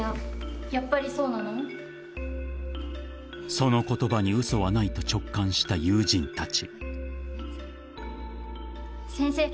［その言葉に嘘はないと直感した友人たち］